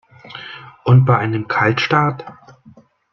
Und bei einem Kaltstart?